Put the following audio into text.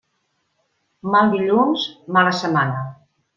Mal dilluns, mala setmana.